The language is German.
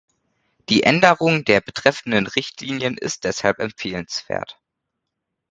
Die Änderung der betreffenden Richtlinien ist deshalb empfehlenswert.